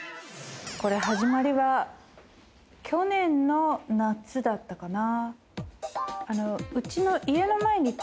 これ始まりは去年の夏だったかな。